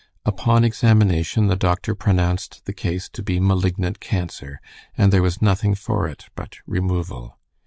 Upon examination the doctor pronounced the case to be malignant cancer, and there was nothing for it but removal.